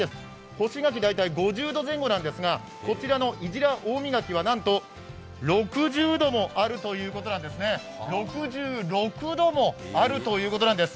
干し柿大体５０度前後なんですが、こちらの伊自良大実柿はなんと６０度もあるということなんですね、６６度もあるということなんです。